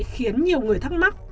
khiến nhiều người thắc mắc